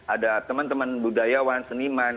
ada teman teman budayawan seniman